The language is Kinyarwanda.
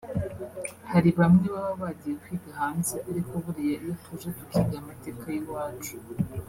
hari bamwe baba bagiye kwiga hanze ariko buriya iyo tuje tukiga amateka y’iwacu